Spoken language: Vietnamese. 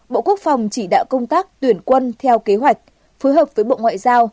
bộ quốc phòng chỉ đạo công tác tuyển quân theo kế hoạch phối hợp với bộ ngoại giao